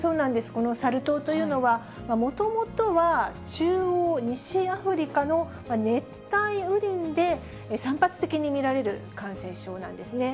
このサル痘というのは、もともとは中央西アフリカの熱帯雨林で、散発的に見られる感染症なんですね。